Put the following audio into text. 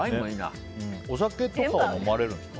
お酒とかは飲まれるんですか。